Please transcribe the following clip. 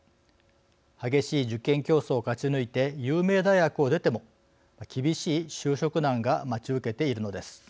激しい受験競争を勝ち抜いて有名大学を出ても厳しい就職難が待ち受けているのです。